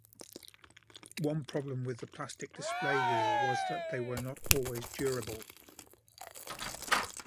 One problem with the plastic daisy wheel was that they were not always durable.